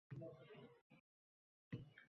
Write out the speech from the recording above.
Yana tez-tez yura boshladim